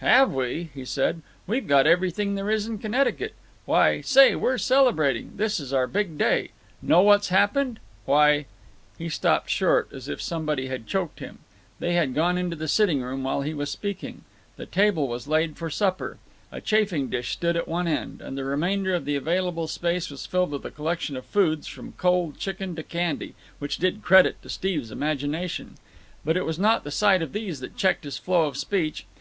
"Have we?" he said. "We've got everything there is in Connecticut! Why, say, we're celebrating. This is our big day. Know what's happened? Why—" He stopped short, as if somebody had choked him. They had gone into the sitting room while he was speaking. The table was laid for supper. A chafing dish stood at one end, and the remainder of the available space was filled with a collection of foods, from cold chicken to candy, which did credit to Steve's imagination. But it was not the sight of these that checked his flow of speech.